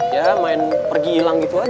ya main pergi hilang gitu aja